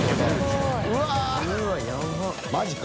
マジか。